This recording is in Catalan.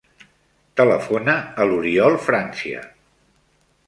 Telefona a l'Oriol Francia.